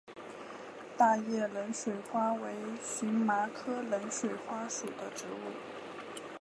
大叶冷水花为荨麻科冷水花属的植物。